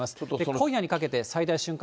今夜にかけて最大瞬間